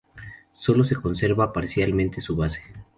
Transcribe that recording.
Sólo se conserva parcialmente su base.